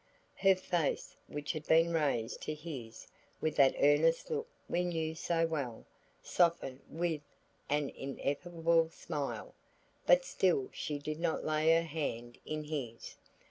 Her face which had been raised to his with that earnest look we knew so well, softened with an ineffable smile, but still she did not lay her hand in his.